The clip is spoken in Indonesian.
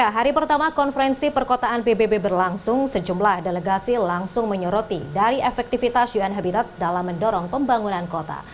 hari pertama konferensi perkotaan pbb berlangsung sejumlah delegasi langsung menyoroti dari efektivitas un habitat dalam mendorong pembangunan kota